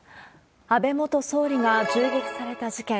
安倍元総理が銃撃された事件。